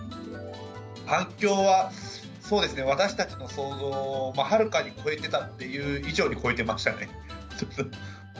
反響は、そうですね、私たちの想像をはるかに超えてたっていう以上に超えてましたね。